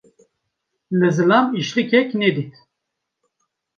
Li zilam îşlikek nedît.